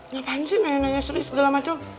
ngapain sih neneknya sri segala macem